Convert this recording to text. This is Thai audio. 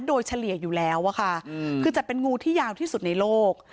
โดยเฉลี่ยอยู่แล้วอะค่ะคือจะเป็นงูที่ยาวที่สุดในโลก